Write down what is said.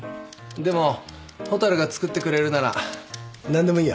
でも蛍が作ってくれるなら何でもいいよ。